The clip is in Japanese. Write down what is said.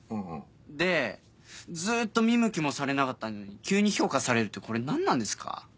でずっと見向きもされなかったのに急に評価されるってこれ何なんですか？